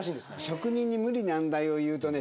職人に無理難題を言うとね